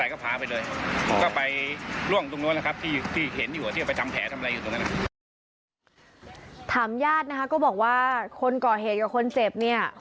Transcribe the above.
ถามญาตินะคะก็บอกว่าคนก่อเหตุกับคนเจ็บเนี่ย